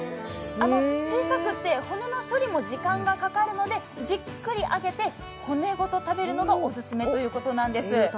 小さくて骨の処理も時間がかかるのでじっくり揚げて、骨ごと食べるのがオススメということです。